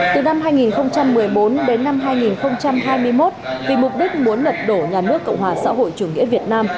từ năm hai nghìn một mươi bốn đến năm hai nghìn hai mươi một vì mục đích muốn lật đổ nhà nước cộng hòa xã hội chủ nghĩa việt nam